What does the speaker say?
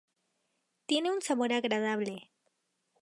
Tiene un sabor agradable.